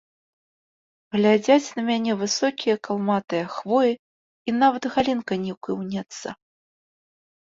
Глядзяць на мяне высокія калматыя хвоі і нават галінка не кіўнецца.